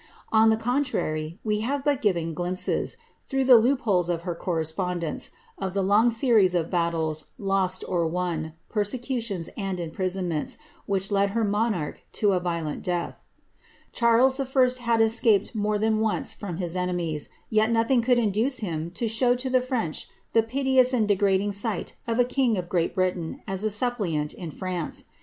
On the contrary, we have but given glimpsei, through the loopholes of her correspondence, of the long series of battles, lost or won, persecutions and imprisonments, which led her monarch to a violent death. King Charles 1. had escaped more than once from his enemies, yet nothing could induce him to show to the French the piteous and de grading sight of a king of Great Britain as a suppliant in France.